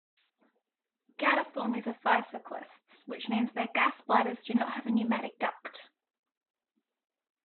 Gadiformes are physoclists, which means their gas bladders do not have a pneumatic duct.